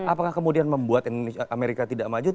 apakah kemudian membuat amerika tidak maju